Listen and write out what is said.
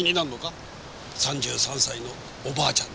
３３歳のおばあちゃんの事が。